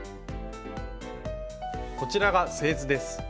こちらが製図です。